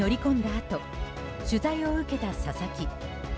あと取材を受けた佐々木。